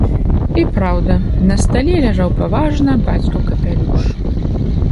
І праўда, на стале ляжаў паважна бацькаў капялюш.